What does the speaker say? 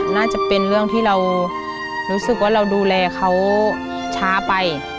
น่าจะเป็นเรื่องที่เรารู้สึกว่าเราดูแลเขาช้าไป